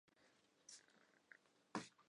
Ni ne rilatas al niaj amikoj aŭ havas iajn planojn.